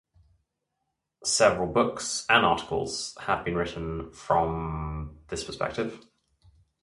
Several books and articles have been written from this perspective.